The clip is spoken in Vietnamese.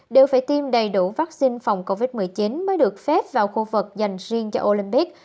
đều phải tiêm đầy đủ vaccine phòng covid một mươi chín mới được phép vào khu vực dành riêng cho olympic